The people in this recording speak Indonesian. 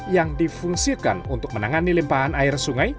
yang difungsikan untuk menangani limpahan air sungai